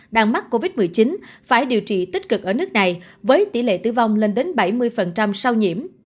đang mắc covid một mươi chín phải điều trị tích cực ở nước này với tỷ lệ tử vong lên đến bảy mươi sau nhiễm